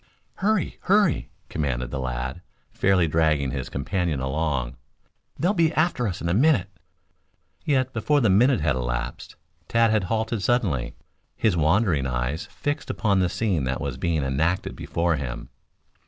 "Hurry! Hurry!" commanded the lad, fairly dragging his companion along. "They'll be after us in a minute." Yet before the minute had elapsed Tad had halted suddenly, his wondering eyes fixed upon the scene that was being enacted before him.